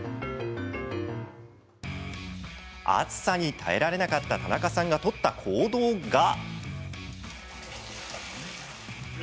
暑さに耐えられなかった田中さんが取った行動が。